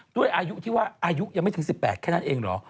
ด้วยอายุที่ว่าอายุยังไม่ถึง๑๘แค่นั้นเองเหรอ